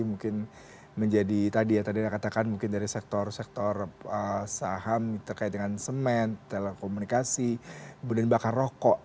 mungkin menjadi tadi ya tadi anda katakan mungkin dari sektor sektor saham terkait dengan semen telekomunikasi kemudian bahkan rokok